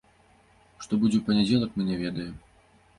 Што будзе ў панядзелак, мы не ведаем.